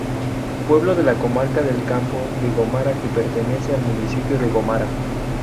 Pueblo de la Comarca del Campo de Gómara que pertenece al municipio de Gómara.